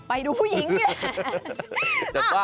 ไปดูผู้หญิงนี่แหละ